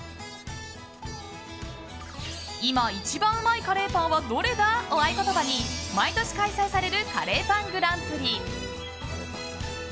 「今一番うまいカレーパンはどれだ？」を合言葉に毎年開催されるカレーパングランプリ。